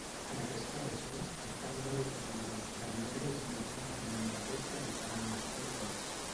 En aquesta regió, el camp gravitatori del forat negre gira juntament amb aquest arrossegant l'espai-temps.